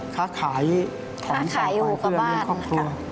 ค้าขายอยู่ข้างบ้าน